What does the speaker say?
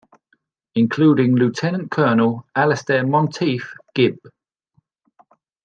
Including Lieutenant Colonel Alistair Monteith Gibb.